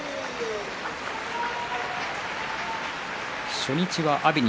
初日は阿炎。